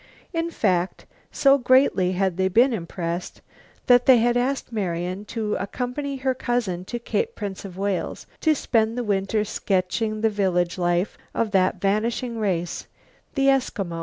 In fact, so greatly had they been impressed that they had asked Marian to accompany her cousin to Cape Prince of Wales to spend the winter sketching the village life of that vanishing race, the Eskimo.